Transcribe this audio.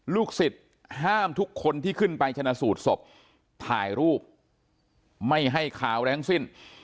ลูกศิษย์ห้ามทุกคนที่ขึ้นไปชนะสูตรศพถ่ายรูปไม่ให้ข่าวอะไรทั้งสิ้น